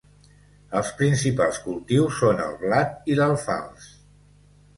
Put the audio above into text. Els principals cultius són el blat i l'alfals.